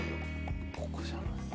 ここじゃない？